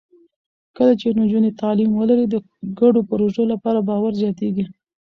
کله چې نجونې تعلیم ولري، د ګډو پروژو لپاره باور زیاتېږي.